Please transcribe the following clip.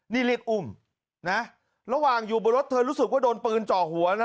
นี่เรียกอุ้มนะระหว่างอยู่บนรถเธอรู้สึกว่าโดนปืนเจาะหัวนะ